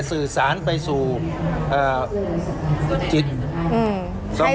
คุณต้องไปคุยกับทางเจ้าหน่อย